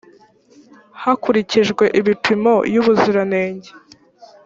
hakurikijwe ibipimo y ubuziranenge